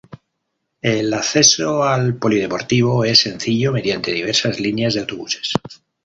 El acceso al polideportivos es sencillo mediante diversas líneas de autobuses.